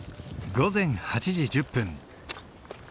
午前８時１０分。